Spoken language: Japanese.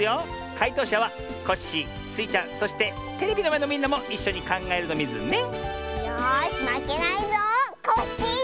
かいとうしゃはコッシースイちゃんそしてテレビのまえのみんなもいっしょにかんがえるのミズね。よしまけないぞコッシー！